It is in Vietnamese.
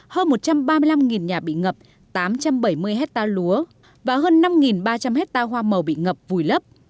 hơn một trăm ba mươi năm nhà bị ngập tám trăm bảy mươi hectare lúa và hơn năm ba trăm linh hectare hoa màu bị ngập vùi lấp